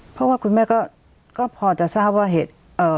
เพราะว่าคุณแม่ก็พอจะทราบว่าเหตุ